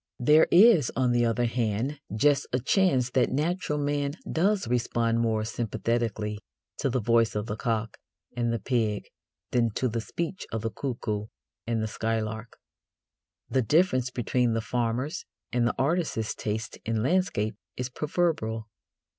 There is, on the other hand, just a chance that natural man does respond more sympathetically to the voice of the cock and the pig than to the speech of the cuckoo and the skylark. The difference between the farmer's and the artist's taste in landscape is proverbial.